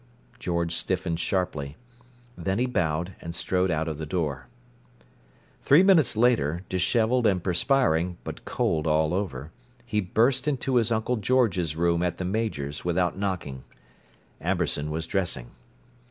George stiffened sharply. Then he bowed, and strode out of the door. Three minutes later, disheveled and perspiring, but cold all over, he burst into his Uncle George's room at the Major's without knocking. Amberson was dressing.